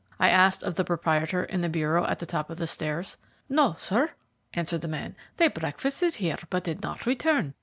I asked of the proprietor in the bureau at the top of the stairs. "No, sir," answered the man; "they breakfasted here, but did not return.